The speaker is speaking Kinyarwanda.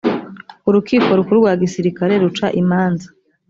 urukiko rukuru rwa gisirikare ruca imanza